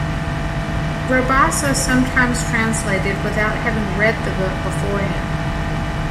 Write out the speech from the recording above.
Rabassa sometimes translated without having read the book beforehand.